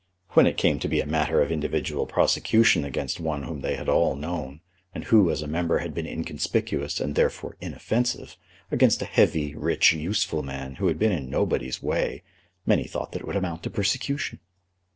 When it came to be a matter of individual prosecution against one whom they had all known, and who, as a member, had been inconspicuous and therefore inoffensive, against a heavy, rich, useful man who had been in nobody's way, many thought that it would amount to persecution.